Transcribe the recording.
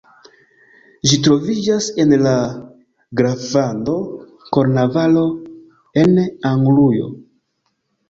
Ĝi troviĝas en la graflando Kornvalo en Anglujo.